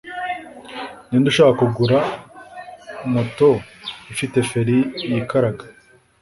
Ninde ushaka kugura moto ifite feri yikaraga?